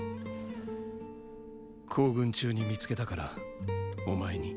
行軍中に見つけたからお前に。